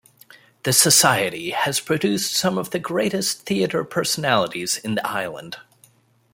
The Society has produced some of the greatest theatre personalities in the Island.